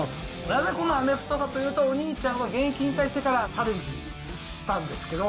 なぜこのアメフトかというと、お兄ちゃんは現役引退してからチャレンジしたんですけど。